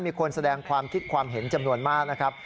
มีคนแสดงความคิดความเห็นจำนวนมากนะครับ